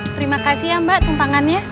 terima kasih ya mbak tumpangannya